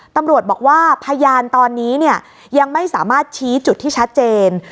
ตำรวจบอกว่าพยานตอนนี้เนี่ยยังไม่สามารถชี้จุดที่ชัดเจน